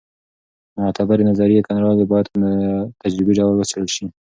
معتبرې نظري کړنلارې باید په تجربي ډول وڅېړل سي.